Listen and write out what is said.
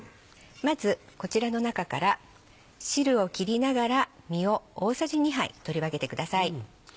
まずこちらの中から汁を切りながら実を大さじ２杯取り分けてください。